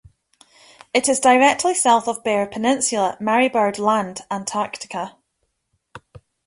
It is directly south of Bear Peninsula, Marie Byrd Land, Antarctica.